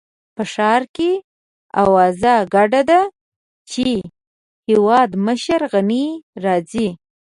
په ښار کې اوازه ګډه ده چې هېوادمشر غني راځي.